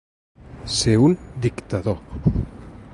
Ser un dictador.